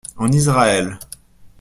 En Israël.